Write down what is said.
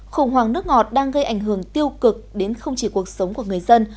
khủng hoảng nước ngọt đang gây ảnh hưởng tiêu cực đến không chỉ cuộc sống của người dân